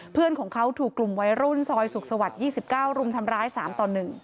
เพื่อนของเขาถูกกลุ่มวัยรุ่นซอยสุขสวรรค์๒๙รุมทำร้าย๓ต่อ๑